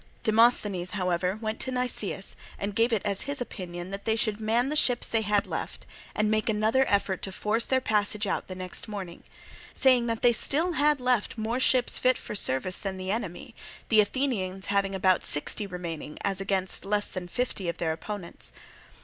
Demosthenes, however, went to Nicias and gave it as his opinion that they should man the ships they had left and make another effort to force their passage out next morning; saying that they had still left more ships fit for service than the enemy, the Athenians having about sixty remaining as against less than fifty of their opponents.